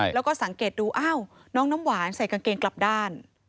แล้วก็สังเกตดูอ้าวน้องน้ำหวานใส่กางเกงกลับด้าน